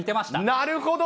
なるほど。